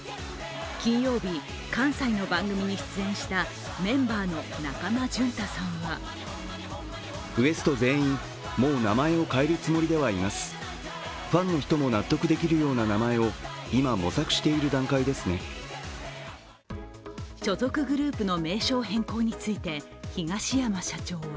金曜日、関西の番組に出演したメンバーの中間淳太さんは所属グループの名称変更について東山社長は